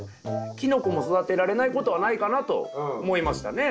キノコも育てられないことはないかなと思いましたね。